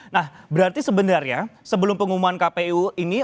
nah berarti sebenarnya sebelum pengumuman kpu ini